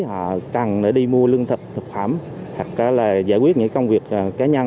họ cần đi mua lương thực thực phẩm hoặc là giải quyết những công việc cá nhân